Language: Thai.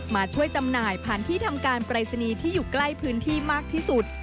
มาช่วยจำหน่ายผ่านที่ทำการปรายศนีย์ที่อยู่ใกล้พื้นที่มากที่สุด